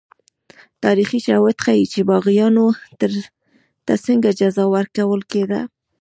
تاریخي شواهد ښيي چې باغیانو ته څنګه جزا ورکول کېده.